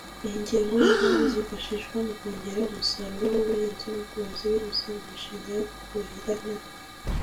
Iyi ngengo y’imari izifashishwa mu kongera umusaruro w’ubuhinzi n’ubworozi binyuze mu mishinga yo kuhira imyaka